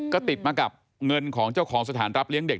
ก็ติดมากับเงินของเจ้าของสถานรับเลี้ยงเด็ก